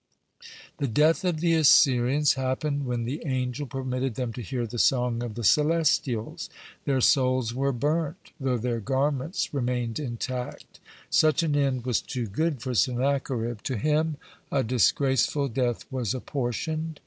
(57) The death of the Assyrians happened when the angel permitted them to hear the "song of the celestials." (58) Their souls were burnt, though their garments remained intact. (59) Such an end was too good for Sennacherib. To him a disgraceful death was apportioned.